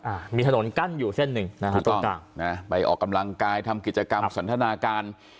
อ่ามีถนนกั้นอยู่เส้นหนึ่งนะฮะถูกต้องจ้ะนะไปออกกำลังกายทำกิจกรรมสันทนาการ